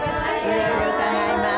いろいろ伺います。